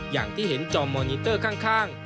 อย่างที่เห็นจอมอนิเตอร์ข้าง